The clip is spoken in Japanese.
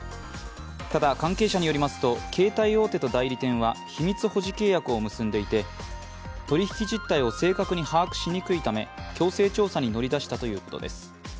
ただ関係者によりますと、携帯大手と代理店は秘密保持契約を結んでいて取引実態を正確に把握しにくいため強制調査に乗り出したということです。